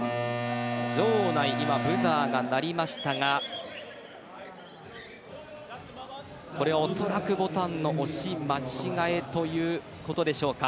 場内、ブザーが鳴りましたがこれはおそらくボタンの押し間違えということでしょうか。